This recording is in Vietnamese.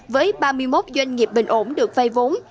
với ba mươi một doanh nghiệp bình ổn được vay vốn